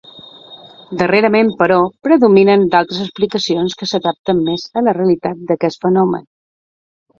Darrerament però, predominen d'altres explicacions que s'adapten més a la realitat d'aquest fenomen.